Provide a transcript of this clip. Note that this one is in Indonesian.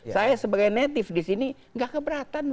saya sebagai native di sini nggak keberatan